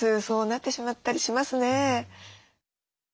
そうなってしまったりしますね。